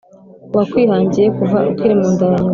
uwakwihangiye kuva ukiri mu nda ya nyoko :